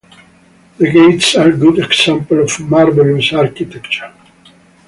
The gates are good example of marvelous architecture.